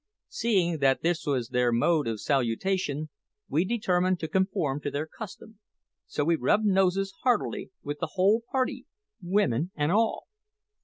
Seeing that this was their mode of salutation, we determined to conform to their custom; so we rubbed noses heartily with the whole party, women and all!